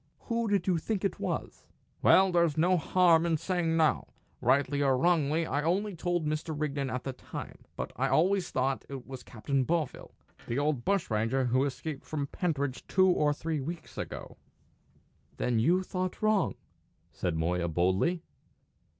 "Who did you think it was?" "Well, there's no harm in saying now. Rightly or wrongly, I only told Mr. Rigden at the time. But I always thought it was Captain Bovill, the old bushranger who escaped from Pentridge two or three weeks ago." "Then you thought wrong," said Moya, boldly.